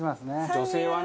女性はね靴